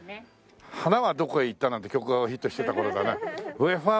『花はどこへ行った』なんて曲がヒットしてた頃だね。